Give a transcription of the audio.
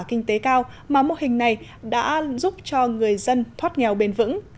kinh tế cao mà mô hình này đã giúp cho người dân thoát nghèo bền vững